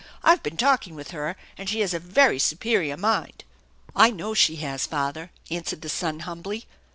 I've been talking with her, and she has a very superior mind." " I know she has, father," answered the son humbly.